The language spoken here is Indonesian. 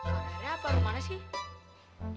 rumana apa rumana sih